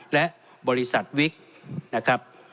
และบริษัทวิก